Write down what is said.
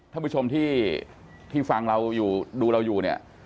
ท่านผู้ชมที่ฟังเราอยู่ดูเราอยู่เนี่ย